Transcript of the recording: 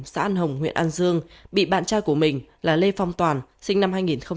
xã an hồng huyện an dương bị bạn trai của mình là lê phong toàn sinh năm hai nghìn